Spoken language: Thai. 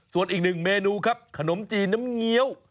ส่วนอีกหนึ่งเมนูครับขนมจีนน้ำเงี้ยว